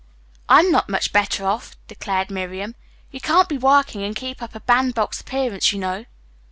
"I'm not much better off," declared Miriam. "You can't be a working woman and keep up a bandbox appearance, you know."